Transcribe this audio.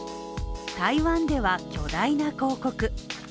台湾では巨大な広告。